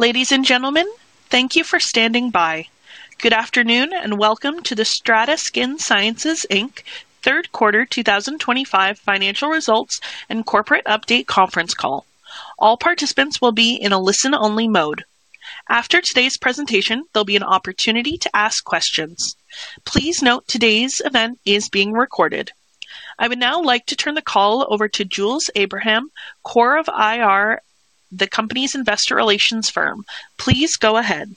Ladies and gentlemen, thank you for standing by. Good afternoon and welcome to the STRATA Skin Sciences Third Quarter 2025 Financial Results and Corporate Update Conference Call. All participants will be in a listen-only mode. After today's presentation, there'll be an opportunity to ask questions. Please note today's event is being recorded. I would now like to turn the call over to Jules Abraham, CORE IR, the company's investor relations firm. Please go ahead.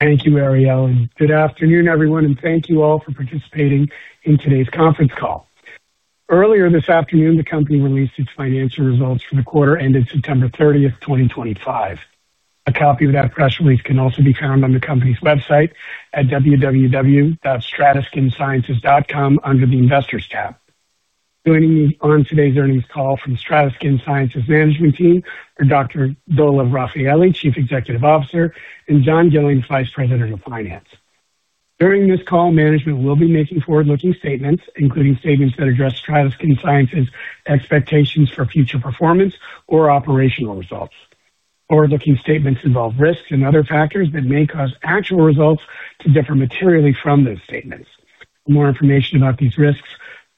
Thank you, Arielle, and good afternoon, everyone, and thank you all for participating in today's conference call. Earlier this afternoon, the company released its financial results for the quarter ended September 30th, 2025. A copy of that press release can also be found on the company's website at www.strataskinsciences.com under the Investors tab. Joining me on today's earnings call from STRATA Skin Sciences management team are Dr. Dolev Rafaeli, Chief Executive Officer, and John Gillings, Vice President of Finance. During this call, management will be making forward-looking statements, including statements that address STRATA Skin Sciences' expectations for future performance or operational results. Forward-looking statements involve risks and other factors that may cause actual results to differ materially from those statements. For more information about these risks,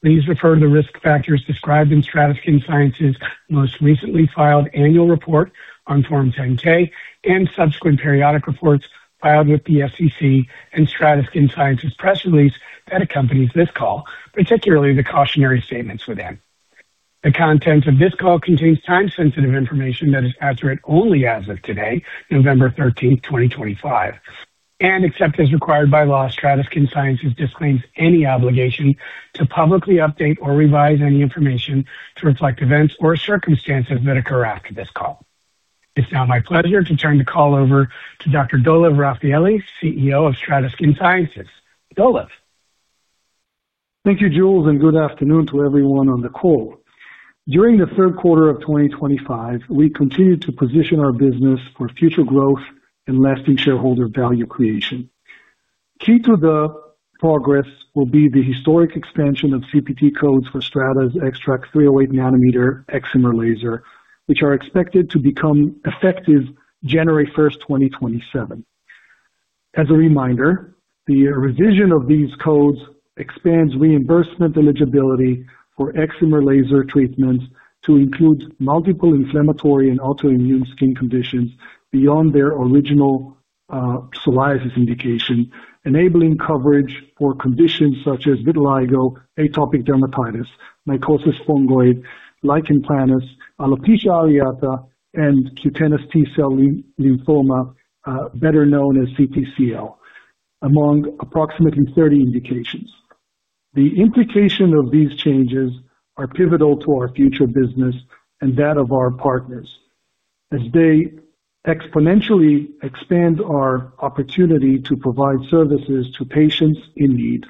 please refer to the risk factors described in STRATA Skin Sciences' most recently filed annual report on Form 10-K and subsequent periodic reports filed with the SEC and STRATA Skin Sciences press release that accompanies this call, particularly the cautionary statements within. The contents of this call contain time-sensitive information that is accurate only as of today, November 13th, 2025, and, except as required by law, STRATA Skin Sciences disclaims any obligation to publicly update or revise any information to reflect events or circumstances that occur after this call. It's now my pleasure to turn the call over to Dr. Dolev Rafaeli, CEO of STRATA Skin Sciences. Dolev. Thank you, Jules, and good afternoon to everyone on the call. During the third quarter of 2025, we continue to position our business for future growth and lasting shareholder value creation. Key to the progress will be the historic expansion of CPT codes for STRATA's XTRAC 308 nanometer excimer laser, which are expected to become effective January 1st, 2027. As a reminder, the revision of these codes expands reimbursement eligibility for excimer laser treatments to include multiple inflammatory and autoimmune skin conditions beyond their original psoriasis indication, enabling coverage for conditions such as vitiligo, atopic dermatitis, mycosis fungoides, lichen planus, alopecia areata, and cutaneous T-cell lymphoma, better known as CTCL, among approximately 30 indications. The implications of these changes are pivotal to our future business and that of our partners, as they exponentially expand our opportunity to provide services to patients in need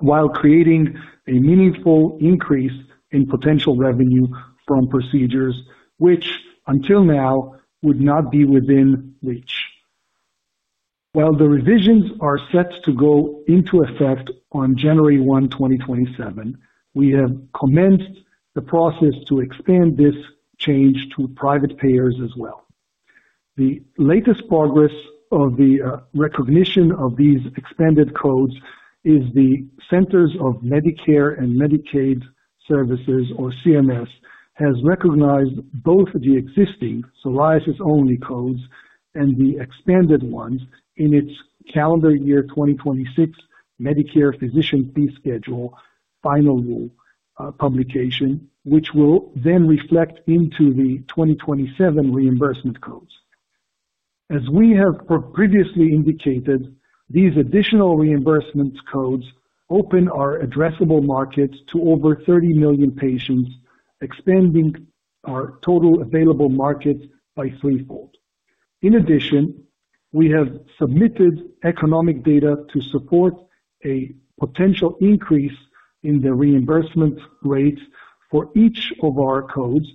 while creating a meaningful increase in potential revenue from procedures which, until now, would not be within reach. While the revisions are set to go into effect on January 1, 2027, we have commenced the process to expand this change to private payers as well. The latest progress of the recognition of these expanded codes is the Centers for Medicare and Medicaid Services, or CMS, has recognized both the existing psoriasis-only codes and the expanded ones in its calendar year 2026 Medicare Physician Fee Schedule Final Rule publication, which will then reflect into the 2027 reimbursement codes. As we have previously indicated, these additional reimbursement codes open our addressable markets to over 30 million patients, expanding our total available markets by threefold. In addition, we have submitted economic data to support a potential increase in the reimbursement rates for each of our codes,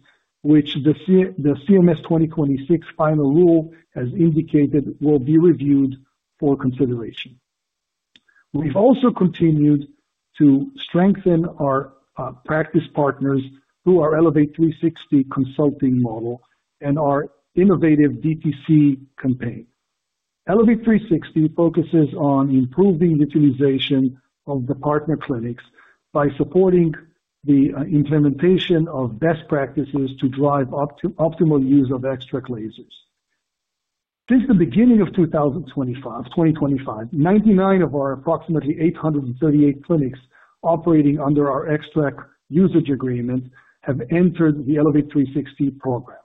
which the CMS 2026 Final Rule has indicated will be reviewed for consideration. We've also continued to strengthen our practice partners through our Elevate 360 consulting model and our innovative DTC campaign. Elevate 360 focuses on improving utilization of the partner clinics by supporting the implementation of best practices to drive optimal use of XTRAC lasers. Since the beginning of 2025, 99 of our approximately 838 clinics operating under our XTRAC usage agreement have entered the Elevate 360 program,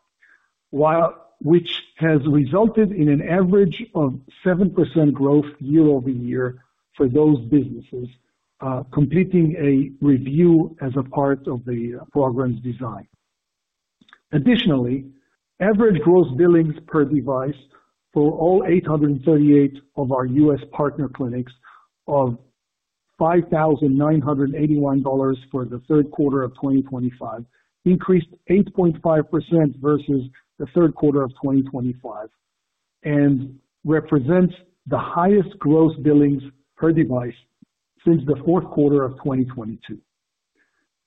which has resulted in an average of 7% growth year-over-year for those businesses completing a review as a part of the program's design. Additionally, average gross billings per device for all 838 of our U.S. partner clinics of $5,981 for the third quarter of 2025 increased 8.5% versus the third quarter of 2024 and represents the highest gross billings per device since the fourth quarter of 2022.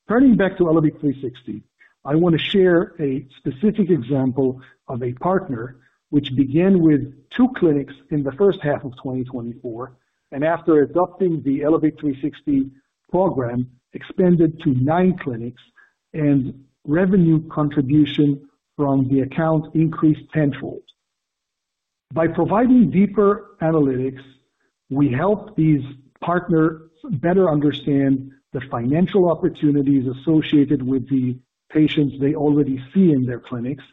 Turning back to Elevate 360, I want to share a specific example of a partner which began with two clinics in the first half of 2024 and, after adopting the Elevate 360 program, expanded to nine clinics, and revenue contribution from the account increased tenfold. By providing deeper analytics, we help these partners better understand the financial opportunities associated with the patients they already see in their clinics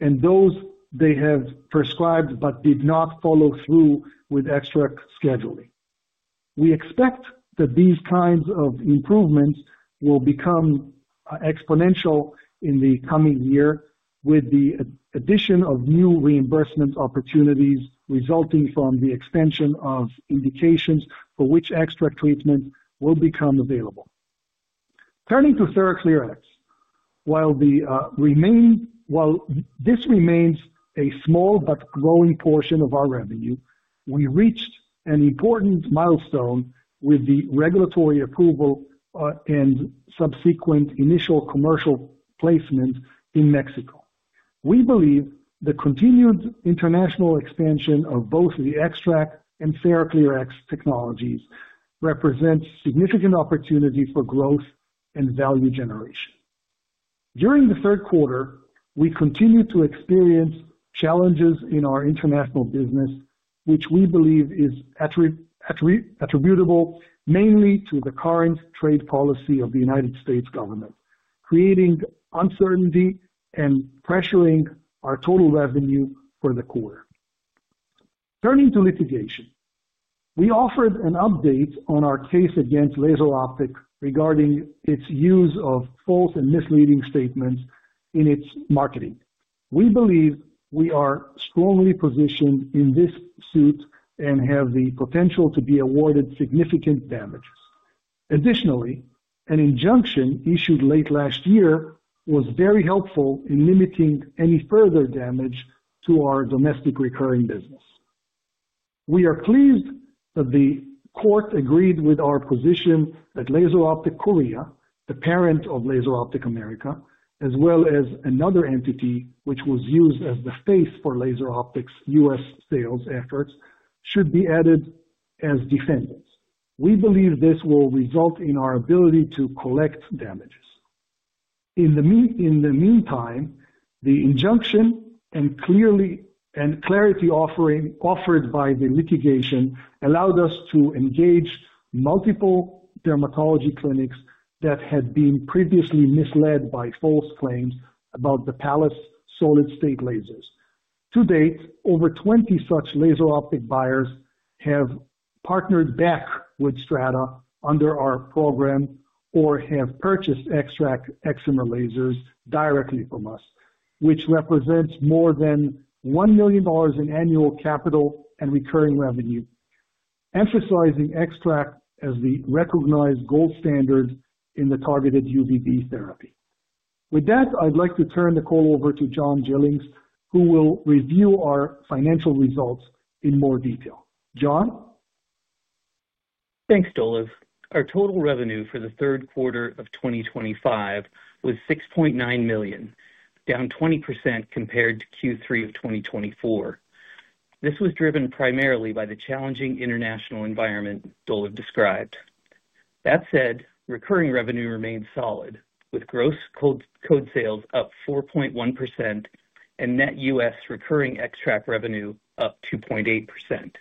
and those they have prescribed but did not follow through with XTRAC scheduling. We expect that these kinds of improvements will become exponential in the coming year with the addition of new reimbursement opportunities resulting from the expansion of indications for which XTRAC treatments will become available. Turning to TheraClearX, while this remains a small but growing portion of our revenue, we reached an important milestone with the regulatory approval and subsequent initial commercial placement in Mexico. We believe the continued international expansion of both the XTRAC and TheraClearX technologies represents significant opportunity for growth and value generation. During the third quarter, we continue to experience challenges in our international business, which we believe is attributable mainly to the current trade policy of the U.S. government, creating uncertainty and pressuring our total revenue for the quarter. Turning to litigation, we offered an update on our case against LaserOptic regarding its use of false and misleading statements in its marketing. We believe we are strongly positioned in this suit and have the potential to be awarded significant damages. Additionally, an injunction issued late last year was very helpful in limiting any further damage to our domestic recurring business. We are pleased that the court agreed with our position that LaserOptic Korea, the parent of LaserOptic America, as well as another entity which was used as the face for LaserOptic's U.S. sales efforts, should be added as defendants. We believe this will result in our ability to collect damages. In the meantime, the injunction and clarity offered by the litigation allowed us to engage multiple dermatology clinics that had been previously misled by false claims about the Pallas Solid State Laser. To date, over 20 such LaserOptic buyers have partnered back with STRATA under our program or have purchased XTRAC excimer lasers directly from us, which represents more than $1 million in annual capital and recurring revenue, emphasizing XTRAC as the recognized gold standard in the targeted UVB therapy. With that, I'd like to turn the call over to John Gillings, who will review our financial results in more detail. John? Thanks, Dolev. Our total revenue for the third quarter of 2025 was $6.9 million, down 20% compared to Q3 of 2024. This was driven primarily by the challenging international environment Dolev described. That said, recurring revenue remained solid, with gross code sales up 4.1% and net U.S. recurring XTRAC revenue up 2.8%.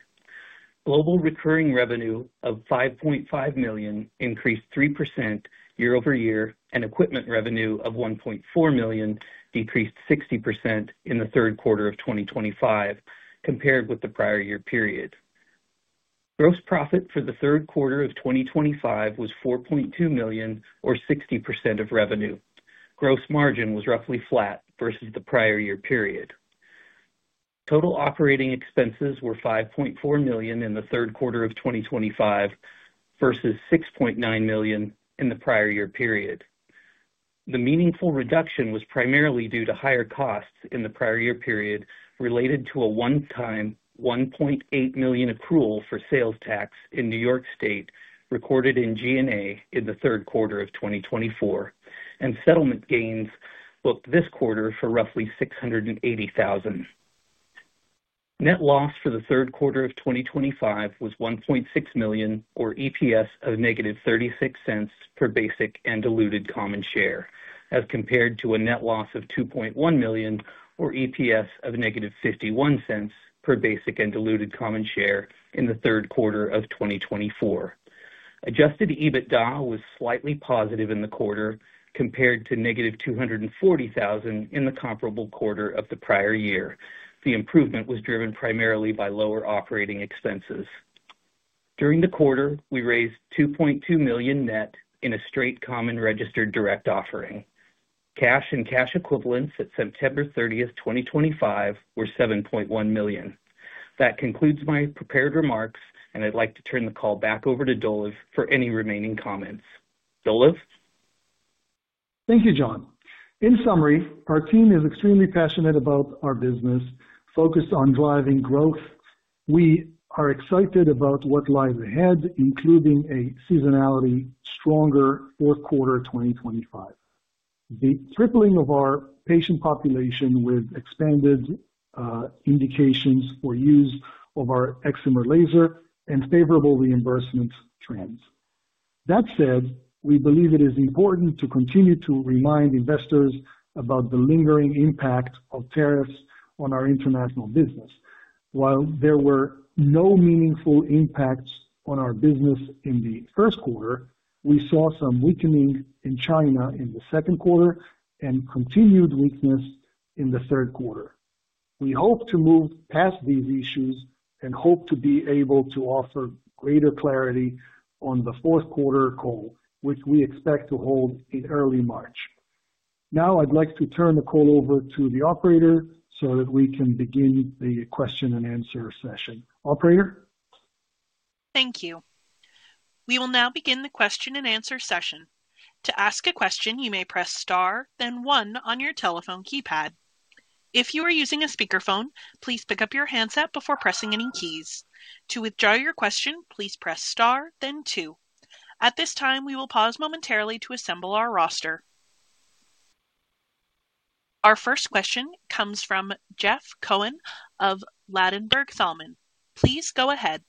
Global recurring revenue of $5.5 million increased 3% year-over-year, and equipment revenue of $1.4 million decreased 60% in the third quarter of 2025 compared with the prior year period. Gross profit for the third quarter of 2025 was $4.2 million, or 60% of revenue. Gross margin was roughly flat versus the prior year period. Total operating expenses were $5.4 million in the third quarter of 2025 versus $6.9 million in the prior year period. The meaningful reduction was primarily due to higher costs in the prior year period related to a one-time $1.8 million accrual for sales tax in New York State recorded in G&A in the third quarter of 2024, and settlement gains booked this quarter for roughly $680,000. Net loss for the third quarter of 2025 was $1.6 million, or EPS of negative $0.36 per basic and diluted common share, as compared to a net loss of $2.1 million, or EPS of negative $0.51 per basic and diluted common share in the third quarter of 2024. Adjusted EBITDA was slightly positive in the quarter compared to negative $240,000 in the comparable quarter of the prior year. The improvement was driven primarily by lower operating expenses. During the quarter, we raised $2.2 million net in a straight common registered direct offering. Cash and cash equivalents at September 30th, 2025, were $7.1 million. That concludes my prepared remarks, and I'd like to turn the call back over to Dolev for any remaining comments. Dolev? Thank you, John. In summary, our team is extremely passionate about our business focused on driving growth. We are excited about what lies ahead, including a seasonally stronger fourth quarter of 2025. The tripling of our patient population with expanded indications for use of our excimer laser and favorable reimbursement trends. That said, we believe it is important to continue to remind investors about the lingering impact of tariffs on our international business. While there were no meaningful impacts on our business in the first quarter, we saw some weakening in China in the second quarter and continued weakness in the third quarter. We hope to move past these issues and hope to be able to offer greater clarity on the fourth quarter call, which we expect to hold in early March. Now, I'd like to turn the call over to the operator so that we can begin the question and answer session. Operator? Thank you. We will now begin the question and answer session. To ask a question, you may press star, then one on your telephone keypad. If you are using a speakerphone, please pick up your handset before pressing any keys. To withdraw your question, please press star, then two. At this time, we will pause momentarily to assemble our roster. Our first question comes from Jeff Cohen of Ladenburg Thalmann. Please go ahead.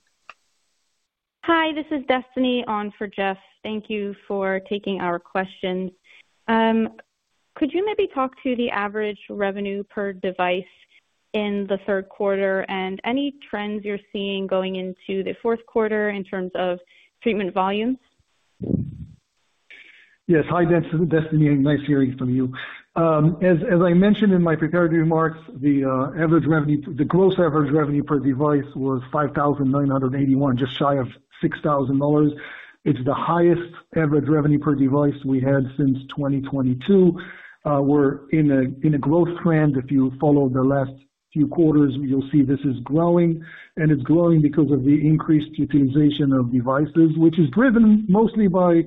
Hi, this is Destiny on for Jeff. Thank you for taking our questions. Could you maybe talk to the average revenue per device in the third quarter and any trends you're seeing going into the fourth quarter in terms of treatment volumes? Yes. Hi, Destiny. Nice hearing from you. As I mentioned in my prepared remarks, the gross average revenue per device was $5,981, just shy of $6,000. It is the highest average revenue per device we had since 2022. We are in a growth trend. If you follow the last few quarters, you will see this is growing, and it is growing because of the increased utilization of devices, which is driven mostly by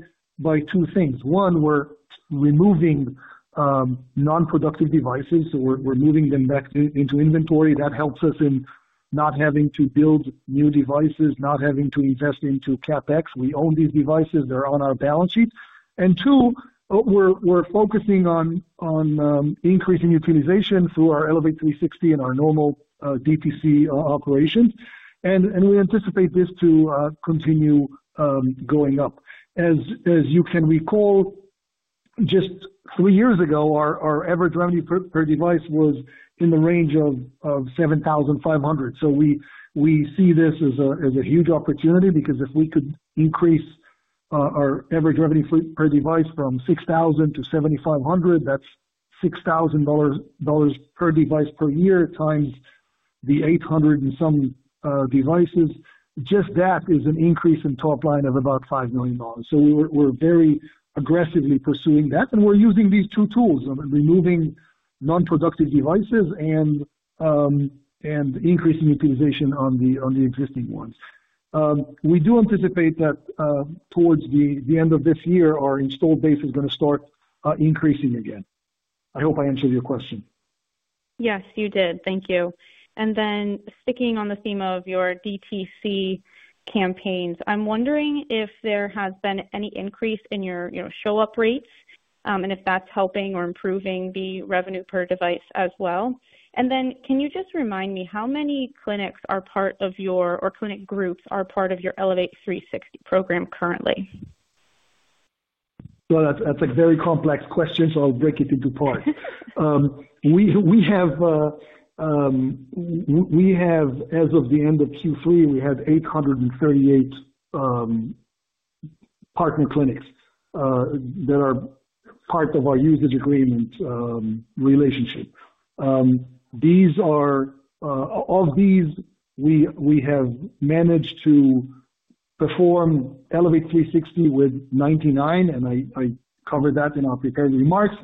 two things. One, we are removing non-productive devices, so we are moving them back into inventory. That helps us in not having to build new devices, not having to invest into CapEx. We own these devices. They are on our balance sheet. Two, we are focusing on increasing utilization through our Elevate 360 and our normal DTC operations, and we anticipate this to continue going up. As you can recall, just three years ago, our average revenue per device was in the range of $7,500. We see this as a huge opportunity because if we could increase our average revenue per device from $6,000 to $7,500, that's $6,000 per device per year times the 800 and some devices. Just that is an increase in top line of about $5 million. We are very aggressively pursuing that, and we are using these two tools: removing non-productive devices and increasing utilization on the existing ones. We do anticipate that towards the end of this year, our installed base is going to start increasing again. I hope I answered your question. Yes, you did. Thank you. Sticking on the theme of your DTC campaigns, I'm wondering if there has been any increase in your show-up rates and if that's helping or improving the revenue per device as well. Can you just remind me how many clinics are part of your or clinic groups are part of your Elevate 360 program currently? That's a very complex question, so I'll break it into parts. As of the end of Q3, we had 838 partner clinics that are part of our usage agreement relationship. Of these, we have managed to perform Elevate 360 with 99, and I covered that in our prepared remarks.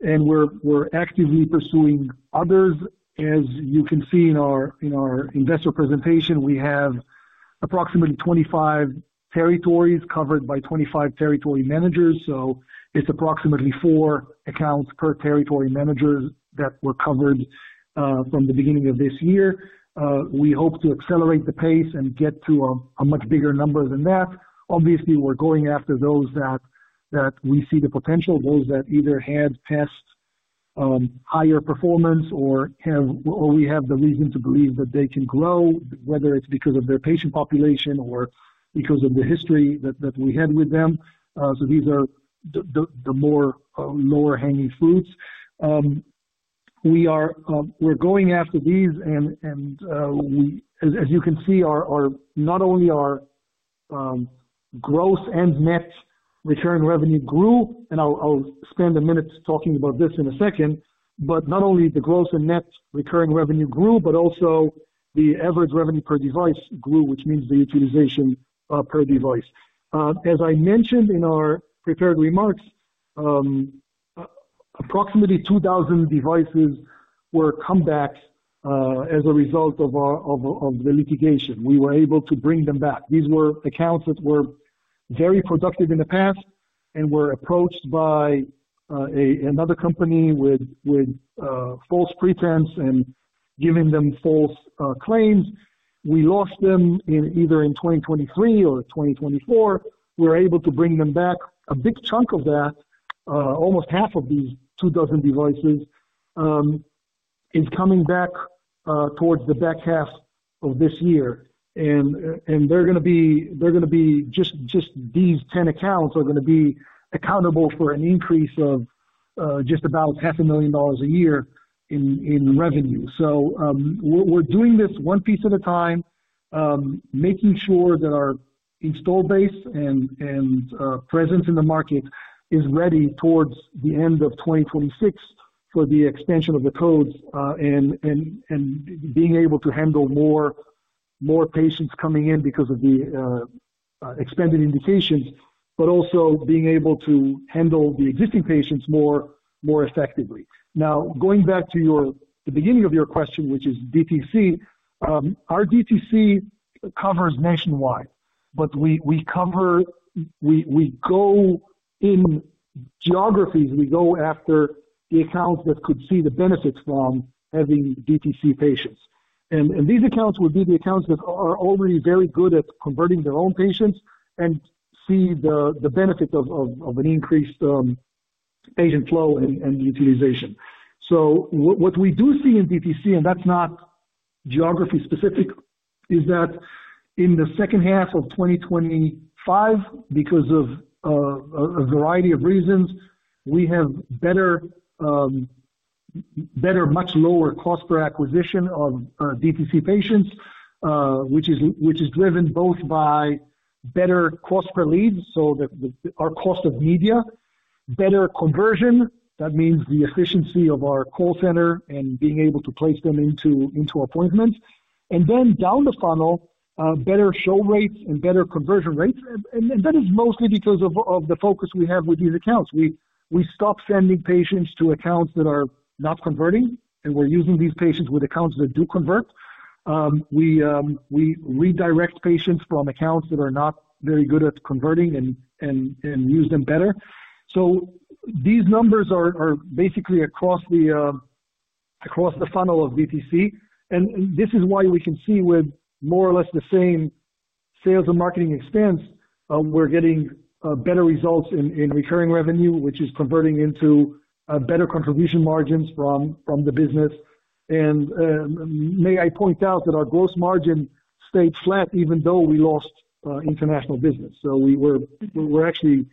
We're actively pursuing others. As you can see in our investor presentation, we have approximately 25 territories covered by 25 territory managers. It's approximately four accounts per territory manager that were covered from the beginning of this year. We hope to accelerate the pace and get to a much bigger number than that. Obviously, we're going after those that we see the potential, those that either had past higher performance or we have the reason to believe that they can grow, whether it's because of their patient population or because of the history that we had with them. These are the more lower-hanging fruits. We're going after these, and as you can see, not only our gross and net recurring revenue grew, and I'll spend a minute talking about this in a second, but not only the gross and net recurring revenue grew, but also the average revenue per device grew, which means the utilization per device. As I mentioned in our prepared remarks, approximately 2,000 devices were comebacks as a result of the litigation. We were able to bring them back. These were accounts that were very productive in the past and were approached by another company with false pretense and giving them false claims. We lost them either in 2023 or 2024. We were able to bring them back. A big chunk of that, almost half of these 2,000 devices, is coming back towards the back half of this year. They're going to be just these 10 accounts are going to be accountable for an increase of just about $500,000 a year in revenue. We're doing this one piece at a time, making sure that our install base and presence in the market is ready towards the end of 2026 for the expansion of the codes and being able to handle more patients coming in because of the expanded indications, but also being able to handle the existing patients more effectively. Now, going back to the beginning of your question, which is DTC, our DTC covers nationwide, but we go in geographies. We go after the accounts that could see the benefits from having DTC patients. These accounts would be the accounts that are already very good at converting their own patients and see the benefit of an increased patient flow and utilization. What we do see in DTC, and that's not geography specific, is that in the second half of 2025, because of a variety of reasons, we have better, much lower cost per acquisition of DTC patients, which is driven both by better cost per leads, so our cost of media, better conversion. That means the efficiency of our call center and being able to place them into appointments. Then down the funnel, better show rates and better conversion rates. That is mostly because of the focus we have with these accounts. We stop sending patients to accounts that are not converting, and we're using these patients with accounts that do convert. We redirect patients from accounts that are not very good at converting and use them better. These numbers are basically across the funnel of DTC. This is why we can see with more or less the same sales and marketing expense, we're getting better results in recurring revenue, which is converting into better contribution margins from the business. May I point out that our gross margin stayed flat even though we lost international business. We're actually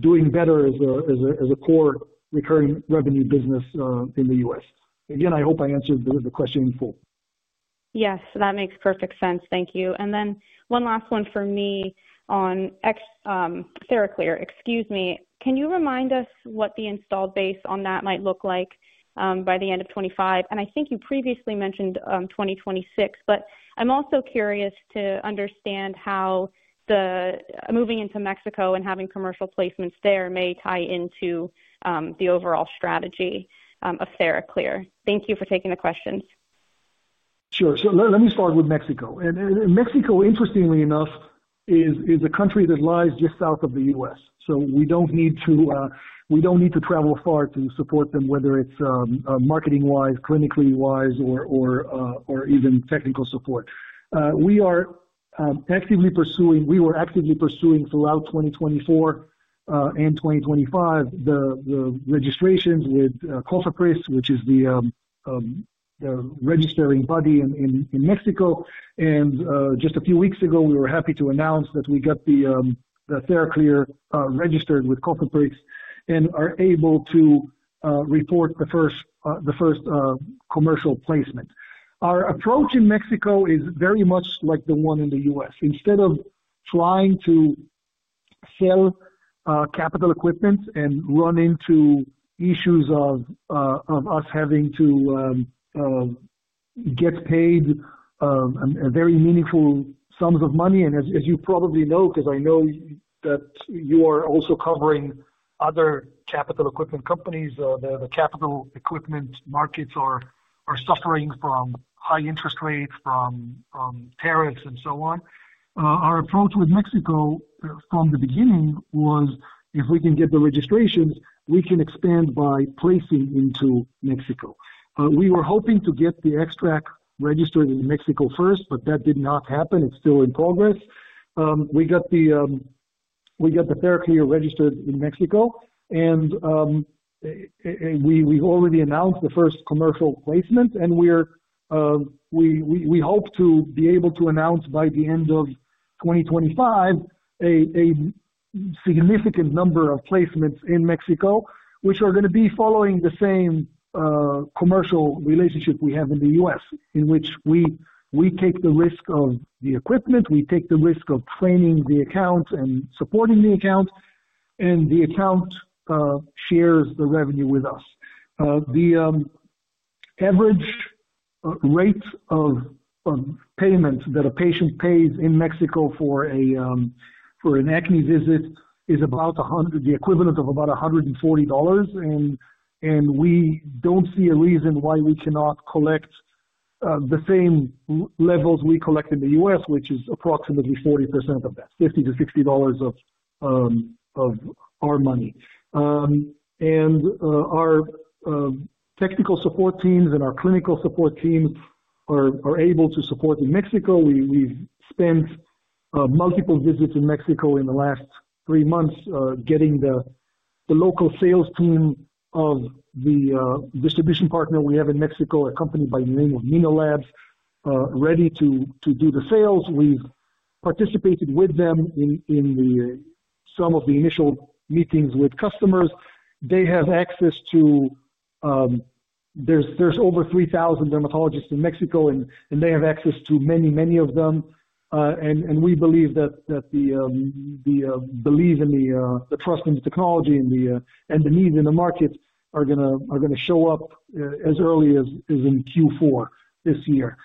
doing better as a core recurring revenue business in the U.S. Again, I hope I answered the question in full. Yes, that makes perfect sense. Thank you. One last one for me on TheraClearX. Excuse me. Can you remind us what the installed base on that might look like by the end of 2025? I think you previously mentioned 2026, but I'm also curious to understand how moving into Mexico and having commercial placements there may tie into the overall strategy of TheraClearX. Thank you for taking the questions. Sure. Let me start with Mexico. Mexico, interestingly enough, is a country that lies just south of the U.S. We do not need to travel far to support them, whether it is marketing-wise, clinically-wise, or even technical support. We were actively pursuing throughout 2024 and 2025 the registrations with Cofepris, which is the registering body in Mexico. Just a few weeks ago, we were happy to announce that we got the TheraClearX registered with Cofepris and are able to report the first commercial placement. Our approach in Mexico is very much like the one in the U.S. Instead of trying to sell capital equipment and run into issues of us having to get paid very meaningful sums of money. As you probably know, because I know that you are also covering other capital equipment companies, the capital equipment markets are suffering from high interest rates, from tariffs, and so on. Our approach with Mexico from the beginning was, if we can get the registrations, we can expand by placing into Mexico. We were hoping to get the XTRAC registered in Mexico first, but that did not happen. It is still in progress. We got the TheraClearX registered in Mexico, and we have already announced the first commercial placement. We hope to be able to announce by the end of 2025 a significant number of placements in Mexico, which are going to be following the same commercial relationship we have in the U.S., in which we take the risk of the equipment, we take the risk of training the accounts and supporting the accounts, and the account shares the revenue with us. The average rate of payment that a patient pays in Mexico for an acne visit is about the equivalent of about $140. We do not see a reason why we cannot collect the same levels we collect in the U.S., which is approximately 40% of that, $50-$60 of our money. Our technical support teams and our clinical support teams are able to support in Mexico. We've spent multiple visits in Mexico in the last three months getting the local sales team of the distribution partner we have in Mexico, a company by the name of Mino Labs, ready to do the sales. We've participated with them in some of the initial meetings with customers. They have access to there's over 3,000 dermatologists in Mexico, and they have access to many, many of them. We believe that the belief and the trust in the technology and the needs in the market are going to show up as early as in Q4 this year.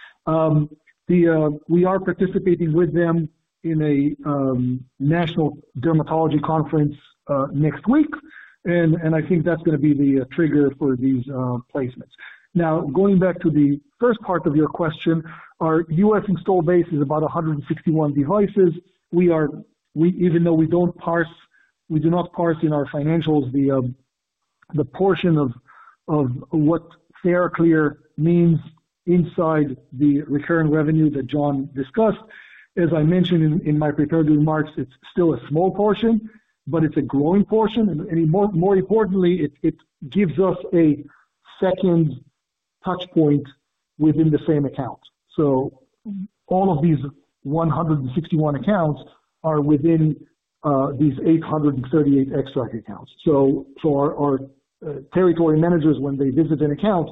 We are participating with them in a national dermatology conference next week, and I think that's going to be the trigger for these placements. Now, going back to the first part of your question, our U.S. install base is about 161 devices. Even though we do not parse in our financials the portion of what TheraClear means inside the recurring revenue that John discussed, as I mentioned in my prepared remarks, it's still a small portion, but it's a growing portion. More importantly, it gives us a second touchpoint within the same account. All of these 161 accounts are within these 838 XTRAC accounts. Our territory managers, when they visit an account,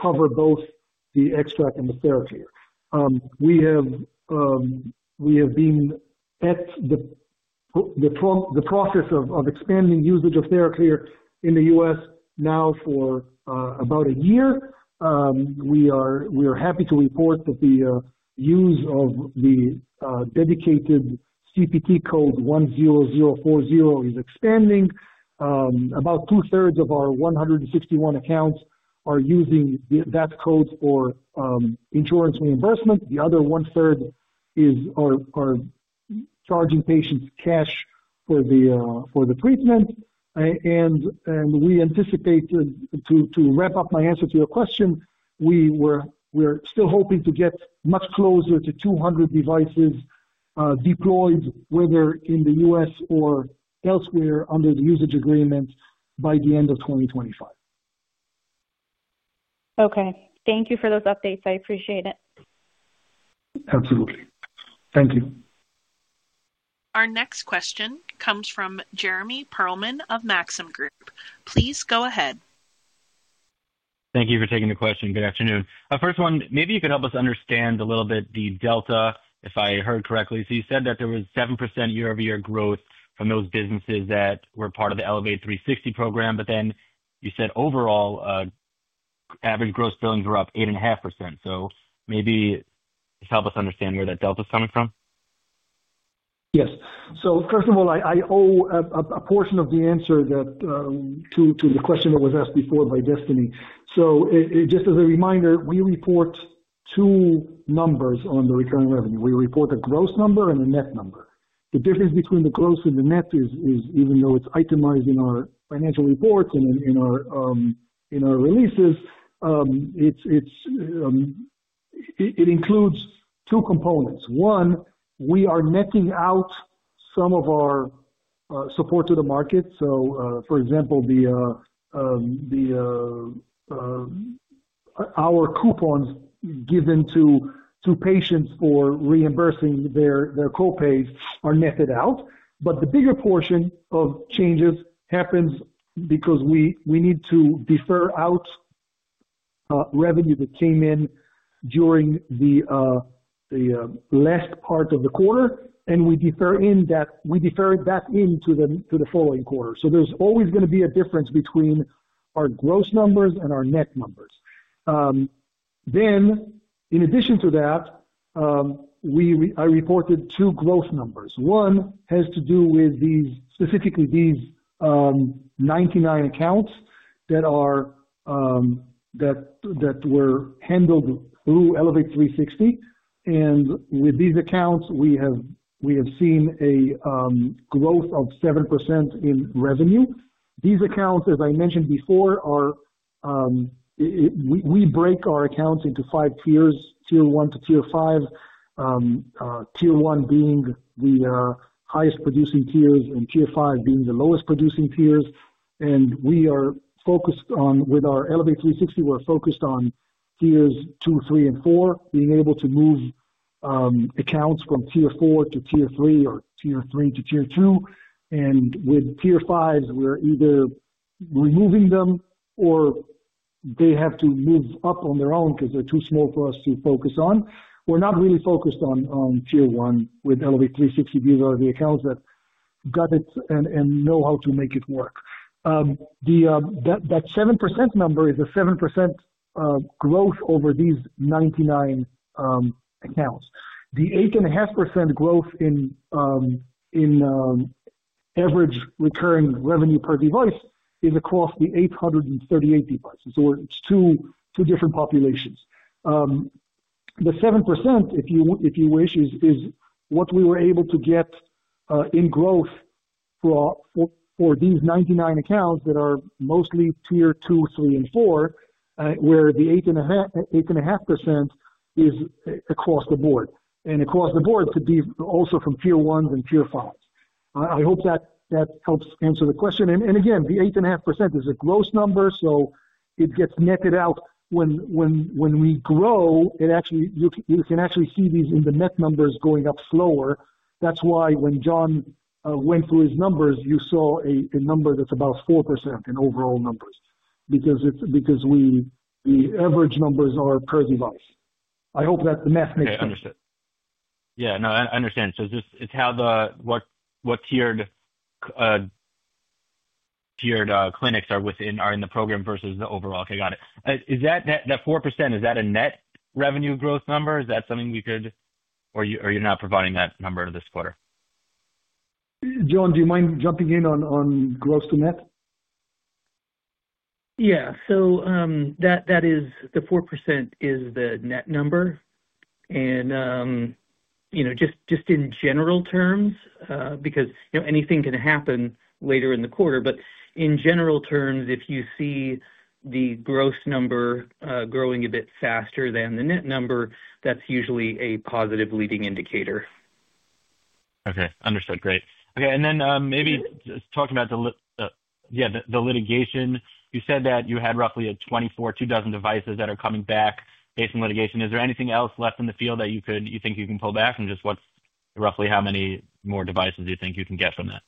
cover both the XTRAC and the TheraClear. We have been at the process of expanding usage of TheraClear in the U.S. now for about a year. We are happy to report that the use of the dedicated CPT code 10040 is expanding. About two-thirds of our 161 accounts are using that code for insurance reimbursement. The other one-third are charging patients cash for the treatment. We anticipate, to wrap up my answer to your question, we're still hoping to get much closer to 200 devices deployed, whether in the U.S. or elsewhere under the usage agreement by the end of 2025. Okay. Thank you for those updates. I appreciate it. Absolutely. Thank you. Our next question comes from Jeremy Pearlman of Maxim Group. Please go ahead. Thank you for taking the question. Good afternoon. First one, maybe you could help us understand a little bit the delta, if I heard correctly. You said that there was 7% year-over-year growth from those businesses that were part of the Elevate 360 program, but then you said overall average gross billings were up 8.5%. Maybe just help us understand where that delta is coming from. Yes. First of all, I owe a portion of the answer to the question that was asked before by Destiny. Just as a reminder, we report two numbers on the recurring revenue. We report a gross number and a net number. The difference between the gross and the net is, even though it is itemized in our financial reports and in our releases, it includes two components. One, we are netting out some of our support to the market. For example, our coupons given to patients for reimbursing their copays are netted out. The bigger portion of changes happens because we need to defer out revenue that came in during the last part of the quarter, and we defer that into the following quarter. There is always going to be a difference between our gross numbers and our net numbers. In addition to that, I reported two gross numbers. One has to do with specifically these 99 accounts that were handled through Elevate 360. With these accounts, we have seen a growth of 7% in revenue. These accounts, as I mentioned before, we break our accounts into five tiers: tier one to tier five, tier one being the highest producing tiers and tier five being the lowest producing tiers. With our Elevate 360, we're focused on tiers two, three, and four, being able to move accounts from tier four to tier three or tier three to tier two. With tier fives, we're either removing them or they have to move up on their own because they're too small for us to focus on. We're not really focused on tier one with Elevate 360. These are the accounts that got it and know how to make it work. That 7% number is a 7% growth over these 99 accounts. The 8.5% growth in average recurring revenue per device is across the 838 devices. It is two different populations. The 7%, if you wish, is what we were able to get in growth for these 99 accounts that are mostly tier two, three, and four, where the 8.5% is across the board. Across the board could be also from tier ones and tier fives. I hope that helps answer the question. Again, the 8.5% is a gross number, so it gets netted out. When we grow, you can actually see these in the net numbers going up slower. That is why when John went through his numbers, you saw a number that is about 4% in overall numbers because the average numbers are per device. I hope that the math makes sense. Yeah, I understand. Yeah, no, I understand. So it's how tiered clinics are in the program versus the overall. Okay, got it. Is that 4%, is that a net revenue growth number? Is that something we could or you're not providing that number this quarter? John, do you mind jumping in on gross to net? Yeah. The 4% is the net number. In general terms, because anything can happen later in the quarter, if you see the gross number growing a bit faster than the net number, that's usually a positive leading indicator. Okay. Understood. Great. Maybe talking about the litigation, you said that you had roughly 2,000 devices that are coming back based on litigation. Is there anything else left in the field that you think you can pull back? Just roughly how many more devices do you think you can get from that?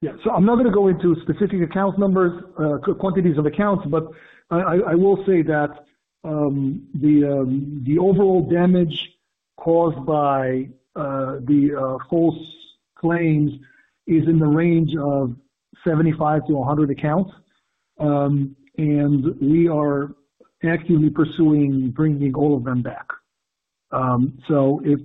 Yeah. I'm not going to go into specific account numbers, quantities of accounts, but I will say that the overall damage caused by the false claims is in the range of 75-100 accounts. We are actively pursuing bringing all of them back. If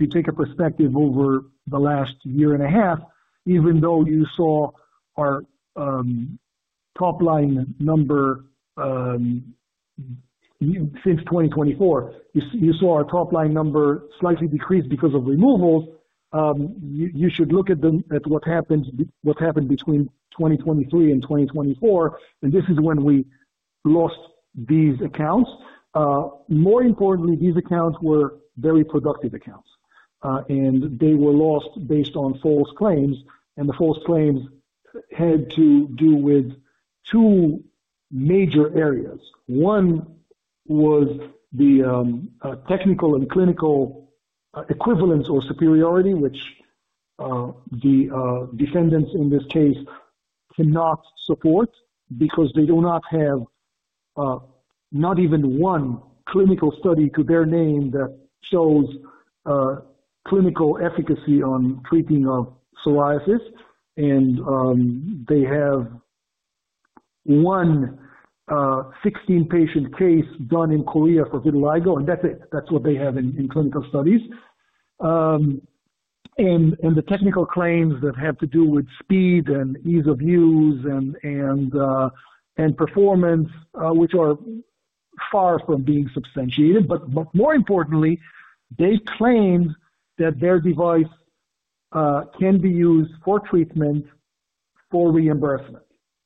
you take a perspective over the last year and a half, even though you saw our top-line number since 2024, you saw our top-line number slightly decrease because of removals, you should look at what happened between 2023 and 2024. This is when we lost these accounts. More importantly, these accounts were very productive accounts. They were lost based on false claims. The false claims had to do with two major areas. One was the technical and clinical equivalence or superiority, which the defendants in this case cannot support because they do not have not even one clinical study to their name that shows clinical efficacy on treating psoriasis. They have one 16-patient case done in Korea for vitiligo. That's it. That's what they have in clinical studies. The technical claims that have to do with speed and ease of use and performance are far from being substantiated. More importantly, they claim that their device can be used for treatment for reimbursement.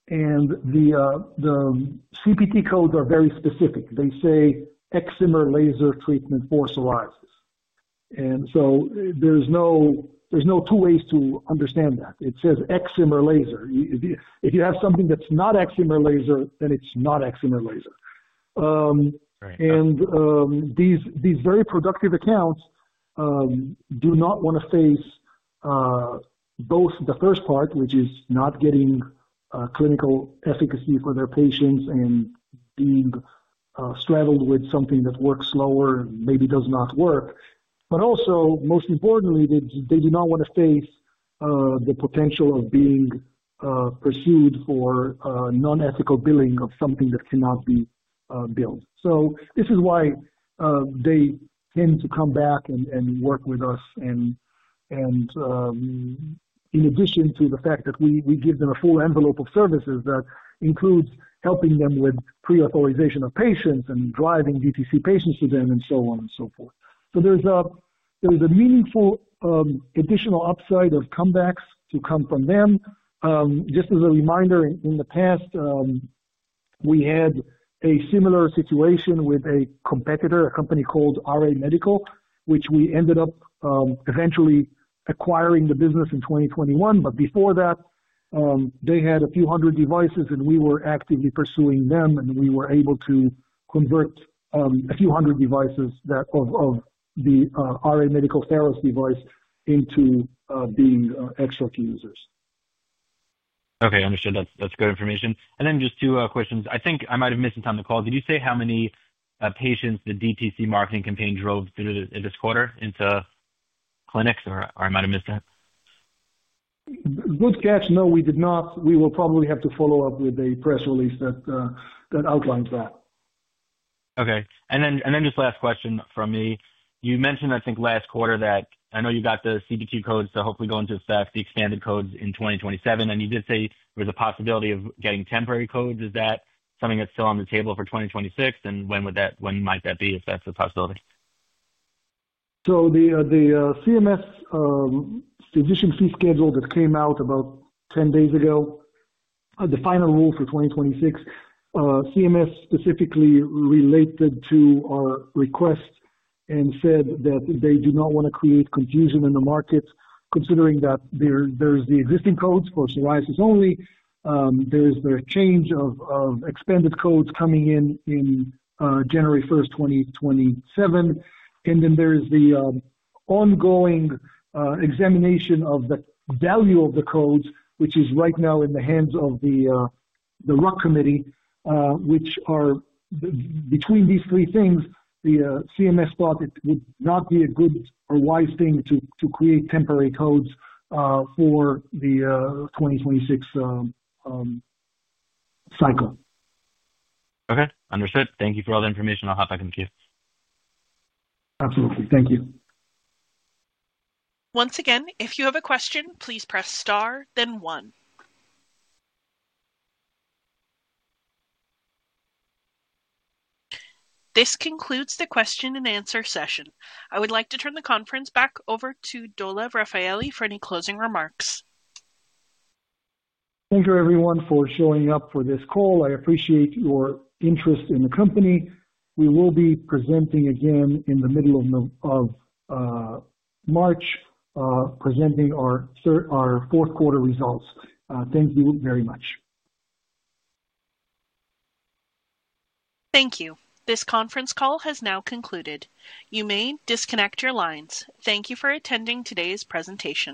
The CPT codes are very specific. They say Excimer Laser Treatment for Psoriasis. There's no two ways to understand that. It says Excimer Laser. If you have something that's not Excimer Laser, then it's not Excimer Laser. These very productive accounts do not want to face both the first part, which is not getting clinical efficacy for their patients and being straddled with something that works slower and maybe does not work. Most importantly, they do not want to face the potential of being pursued for non-ethical billing of something that cannot be billed. This is why they tend to come back and work with us. In addition to the fact that we give them a full envelope of services that includes helping them with pre-authorization of patients and driving DTC patients to them and so on and so forth, there is a meaningful additional upside of comebacks to come from them. Just as a reminder, in the past, we had a similar situation with a competitor, a company called RA Medical, which we ended up eventually acquiring the business in 2021. Before that, they had a few hundred devices, and we were actively pursuing them, and we were able to convert a few hundred devices of the RA Medical Thera device into the XTRAC users. Okay. Understood. That's good information. Just two questions. I think I might have missed the time of the call. Did you say how many patients the DTC marketing campaign drove through this quarter into clinics, or I might have missed that? Good catch. No, we did not. We will probably have to follow up with a press release that outlines that. Okay. And then just last question from me. You mentioned, I think, last quarter that I know you got the CPT codes, so hopefully going to staff the expanded codes in 2027. You did say there was a possibility of getting temporary codes. Is that something that's still on the table for 2026? And when might that be if that's a possibility? The CMS physician fee schedule that came out about 10 days ago, the final rule for 2026, CMS specifically related to our request and said that they do not want to create confusion in the market considering that there's the existing codes for psoriasis only. There is the change of expanded codes coming in on January 1st, 2027. And then there is the ongoing examination of the value of the codes, which is right now in the hands of the RUC committee, which are between these three things, the CMS thought it would not be a good or wise thing to create temporary codes for the 2026 cycle. Okay. Understood. Thank you for all the information. I'll hop back in with you. Absolutely. Thank you. Once again, if you have a question, please press star, then one. This concludes the question and answer session. I would like to turn the conference back over to Dolev Rafaeli for any closing remarks. Thank you, everyone, for showing up for this call. I appreciate your interest in the company. We will be presenting again in the middle of March, presenting our fourth quarter results. Thank you very much. Thank you. This conference call has now concluded. You may disconnect your lines. Thank you for attending today's presentation.